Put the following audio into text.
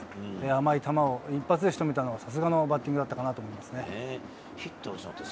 あまい球を一発目でしとめたのはさすがのバッティングだと思いま